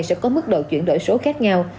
sẽ có mức độ chuyển đổi số khác nhau